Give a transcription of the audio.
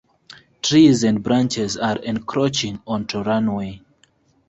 Trees and branches are encroaching onto runway.